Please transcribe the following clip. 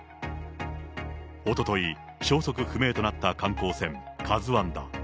おととい、消息不明となった観光船カズワンだ。